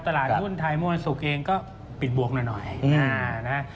ตลาดหุ้นไทยเมื่อวันศุกร์เองก็ปิดบวกหน่อยนะฮะ